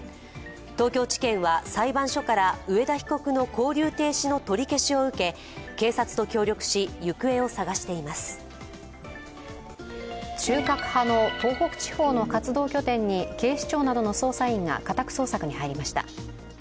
東京地検は裁判所から上田被告の勾留停止の取り消しを受け、警察と協力し、行方を捜しています中核派の東北地方の活動拠点に警視庁などの捜査員が家宅捜索に入りました。